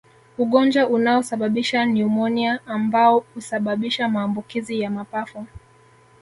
Ugonjwa unaosababisha nyumonia ambao usababisha maambukizi ya mapafu